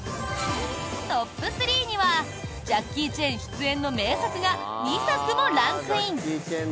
トップ３にはジャッキー・チェン出演の名作が２作もランクイン。